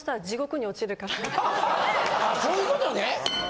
あそういうことね！